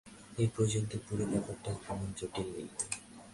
এ-পর্যন্ত পুরো ব্যাপারটায় কোনো জটিলতা নেই।